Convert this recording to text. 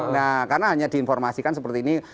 nah karena hanya diinformasikan seperti ini